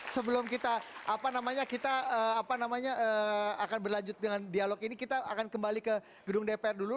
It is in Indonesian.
sebelum kita akan berlanjut dengan dialog ini kita akan kembali ke gedung dpr dulu